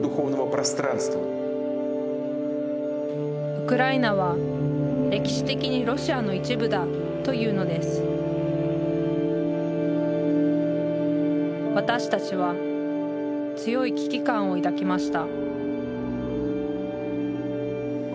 「ウクライナは歴史的にロシアの一部だ」というのです私たちは強い危機感を抱きました